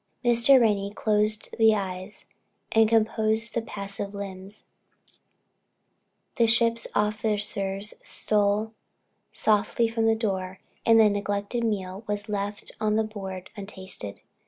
Mr. Ranney closed the eyes, and composed the passive limbs, the ship's officers stole softly from the door, and the neglected meal was left upon the board untasted.